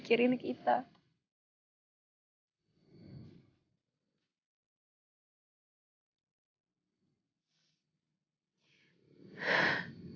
seolah olah aku sudah gak pernikahi kami